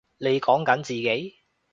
你講緊自己？